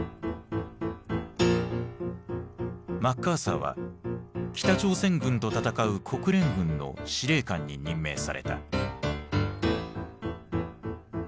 マッカーサーは北朝鮮軍と戦う国連軍の司令官に任命された。